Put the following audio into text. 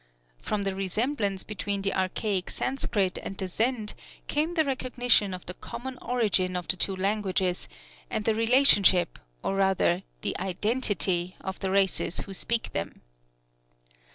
From the resemblance between the archaic Sanskrit and the Zend came the recognition of the common origin of the two languages, and the relationship, or rather, the identity, of the races who speak them.